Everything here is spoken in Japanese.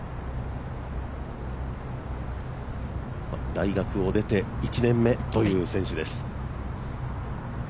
大学を出て１年目という選手です。